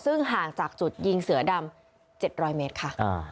ซึ่งห่างจากจุดยิงเสือดำ๗๐๐เมตรค่ะ